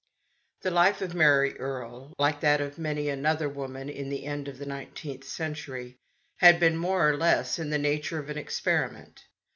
The life of Mary Erie, like that of many another woman in the end of the nineteenth century, had been more or less in the nature of an experiment.